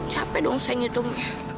capek dong saya menghitungnya